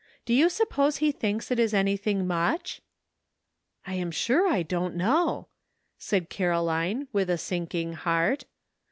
Do you suppose he thinks it is anything much?" "I am sure I don't know," said Caroline, with a sinking heart.